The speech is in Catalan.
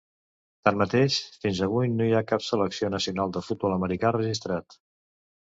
Tanmateix, fins avui no hi ha cap selecció nacional de futbol americà registrat.